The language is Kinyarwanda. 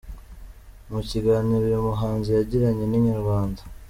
Mu kiganiro uyu muhanzi yagiranye n’Inyarwanda.